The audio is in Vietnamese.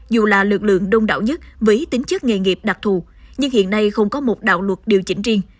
dù là lực lượng đông đảo nhất với tính chất nghề nghiệp đặc thù nhưng hiện nay không có một đạo luật điều chỉnh riêng